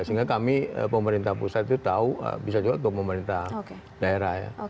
sehingga kami pemerintah pusat itu tahu bisa juga untuk pemerintah daerah ya